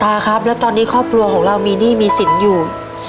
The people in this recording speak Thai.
ครับแล้วตอนนี้ครอบครัวของเรามีหนี้มีสินอยู่